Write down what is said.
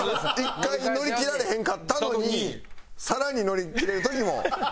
一回乗り切られへんかったのにさらに乗り切れる時も。